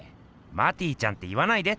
マティちゃんって言わないで！